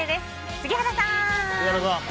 杉原さん！